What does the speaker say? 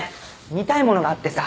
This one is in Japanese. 見たいものがあってさ。